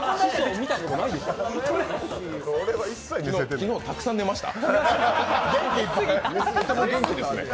昨日、たくさん寝ました？